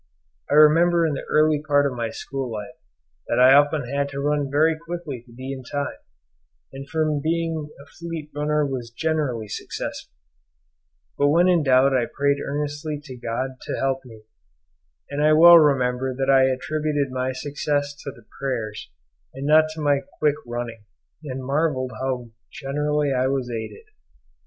I remember in the early part of my school life that I often had to run very quickly to be in time, and from being a fleet runner was generally successful; but when in doubt I prayed earnestly to God to help me, and I well remember that I attributed my success to the prayers and not to my quick running, and marvelled how generally I was aided.